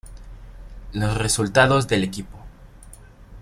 Los resultados del equipo.